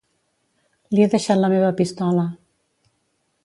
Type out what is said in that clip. Li he deixat la meva pistola.